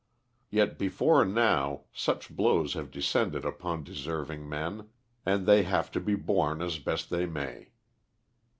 Yet before now such blows have descended upon deserving men, and they have to be borne as best they may.